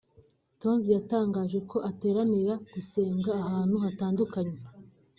Tonzi yatangaje ko ateranira (gusengera) ahantu hatandukanye